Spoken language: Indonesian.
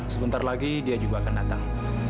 sebentar lagi dia juga akan datang